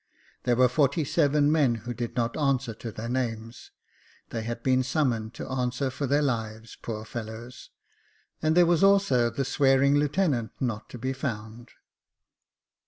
There were forty seven men who did not answer to their names — they had been summoned to answer for their lives, poor fellows ! and there was also the swearing lieutenant not to be found.